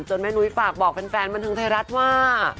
แม่นุ้ยฝากบอกแฟนบันเทิงไทยรัฐว่า